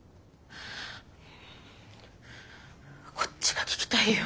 こっちが聞きたいよ。